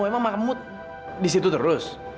emang mamah kamu di situ terus